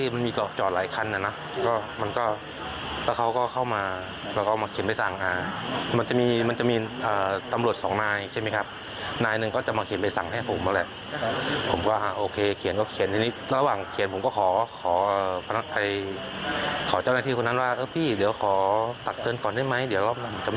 ผมจะไม่ทำอะไรประมาณนี้นะครับ